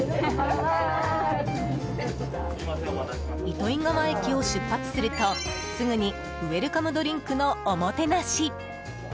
糸魚川駅を出発するとすぐにウェルカムドリンクのおもてなし。